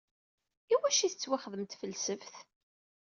Iwacu i tettwaxdem tfelseft?